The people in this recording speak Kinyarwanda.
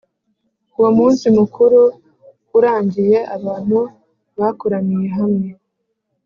Uwo munsi mukuru urangiye abantu bakoraniye hamwe